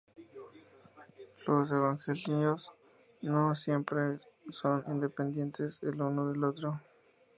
Los evangelios no siempre son independientes el uno del otro.